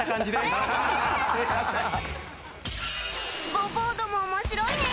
“ボ”ボードも面白いね